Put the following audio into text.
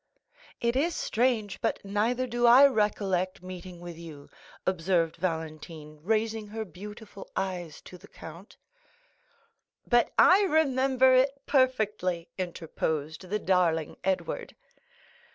"It is strange, but neither do I recollect meeting with you," observed Valentine, raising her beautiful eyes to the count. 30065m "But I remember it perfectly," interposed the darling Edward.